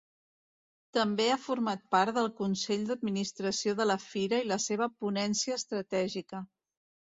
També ha format part del Consell d'Administració de la Fira i la seva Ponència Estratègica.